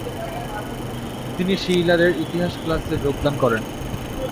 তিনি শিইলারের ইতিহাস ক্লাসে যোগদান করেন।